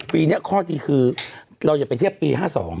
ปีนี้ข้อดีคือเราอย่าไปเทียบปี๕๒